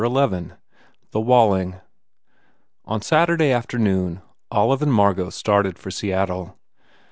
271 XI The Walling ON Saturday afternoon, Olive and Margot started for Seattle.